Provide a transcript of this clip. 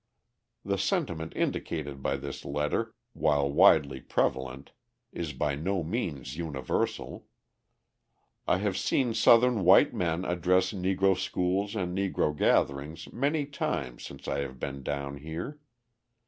The sentiment indicated by this letter, while widely prevalent, is by no means universal. I have seen Southern white men address Negro schools and Negro gatherings many times since I have been down here.